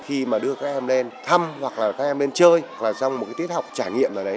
khi mà đưa các em lên thăm hoặc là các em lên chơi là trong một cái tiết học trải nghiệm nào đấy